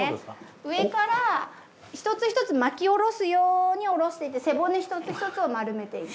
上から１つ１つ巻き下ろすように下ろしていって背骨１つ１つを丸めていく。